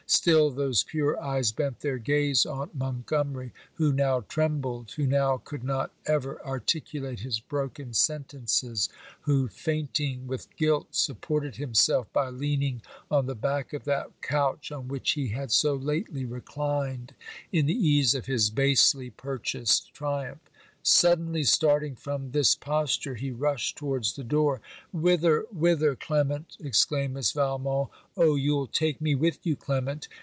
Still those pure eyes bent their gaze on Montgomery, who now trembled, who now could not ever articulate his broken sentences, who, fainting with guilt, supported himself by leaning on the back of that couch on which he had so lately reclined in the ease of his basely purchased triumph. Suddenly starting from this posture, he rushed towards the door. 'Whither, whither, Clement!' exclaimed Miss Valmont. 'Oh, you'll take me with you, Clement!'